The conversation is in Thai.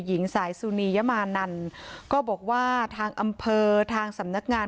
หญิงสายสุนียมานันก็บอกว่าทางอำเภอทางสำนักงาน